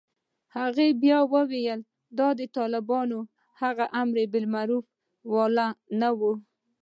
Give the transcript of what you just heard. هغې بيا وويل د طالبانو هغه امربالمعروف والا نه و.